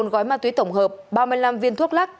một gói ma túy tổng hợp ba mươi năm viên thuốc lắc